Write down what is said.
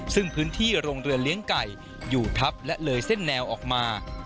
ซึ่งพื้นที่โรงเรือเลี้ยงไก่อยู่ทับและเลยเส้นแนวออกมา